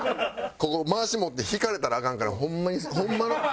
ここまわし持って引かれたらアカンからホンマにホンマの。